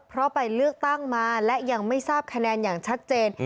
เพราะไปเลือกตั้งมาและยังไม่ทราบคะแนนอย่างชัดเจน